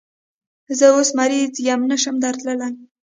زه اوس مریض یم، نشم درتلای